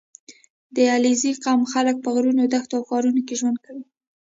• د علیزي قوم خلک په غرونو، دښتو او ښارونو کې ژوند کوي.